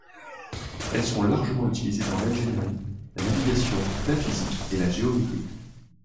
Elles sont largement utilisées dans l'ingénierie, la navigation, la physique et la géométrie.